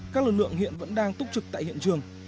các lực lượng hiện vẫn đang túc trực tại hiện trường